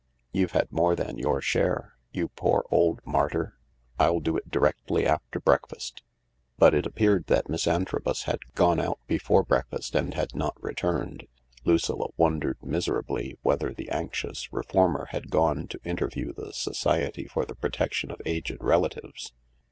You've had more than your share, you poor old martyr. I'll do it directly after breakfast." But it appeared that Miss Antrobus had gone out before breakfast and had not returned. Lucilla wondered miserably whether the anxious reformer had gone to interview the Society for the Protection of Aged Relatives.